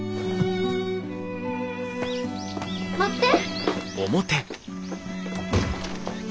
待って！